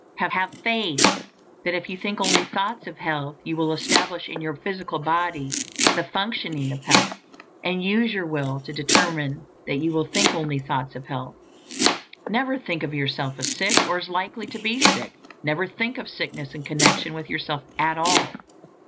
Have FAITH that if you think only thoughts of health you will establish in your physical body the functioning of health; and use your will to determine that you will think only thoughts of health. Never think of yourself as sick, or as likely to be sick; never think of sickness in connection with yourself at all.